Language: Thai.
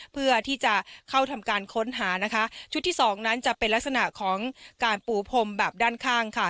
เพื่อที่จะเข้าทำการค้นหานะคะชุดที่สองนั้นจะเป็นลักษณะของการปูพรมแบบด้านข้างค่ะ